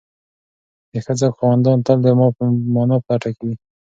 د ښه ذوق خاوندان تل د مانا په لټه کې وي.